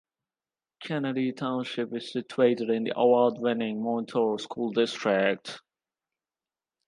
Kennedy Township is situated in the award winning Montour School District.